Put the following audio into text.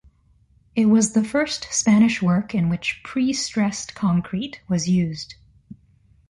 It was the first Spanish work in which prestressed concrete was used.